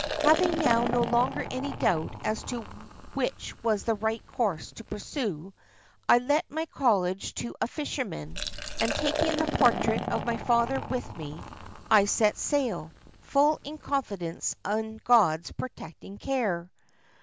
Having now no longer any doubt as to which was the right course to pursue, I let my cottage to a fisherman, and taking the portrait of my father with me, I set sail, full of confidence in God's protecting care.